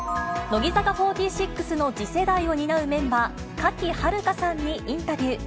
乃木坂４６の次世代を担うメンバー、賀喜遥香さんにインタビュー。